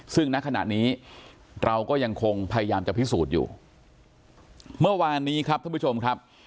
ซึ่งณขณะนี้เราก็ยังคงพยายามจะพิสูจน์อยู่เมื่อวานนี้ครับท่านผู้ชมครับ